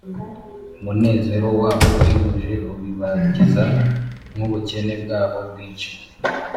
umunezero wabo uhebuje ubibagiza n’ubukene bwabo bwinshi